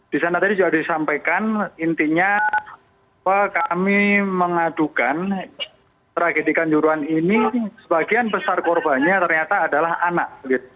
di sana tadi sudah disampaikan intinya kami mengadukan tragedi kanjuruhan ini sebagian besar korbannya ternyata adalah anak